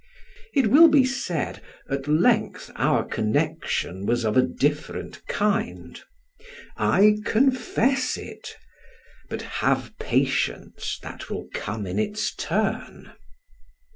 It will be said, at length our connection was of a different kind: I confess it; but have patience, that will come in its turn.